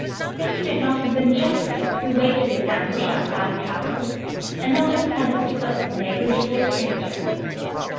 Why could it not have been Geoffrey who waited in ambush outside the castle, and not a pleasant but negligible stranger?